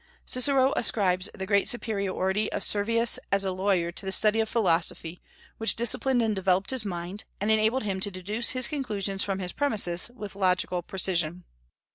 Cicero ascribes the great superiority of Servius as a lawyer to the study of philosophy, which disciplined and developed his mind, and enabled him to deduce his conclusions from his premises with logical precision.